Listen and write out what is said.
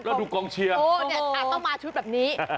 แล้วดูกองเชียร์โอ้โหอาจต้องมาชุดแบบนี้